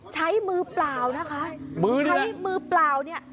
ใช้มือเปล่านะคะมือใช้มือเปล่าเนี่ย